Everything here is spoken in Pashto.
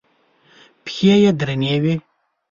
پښې یې درنې وې.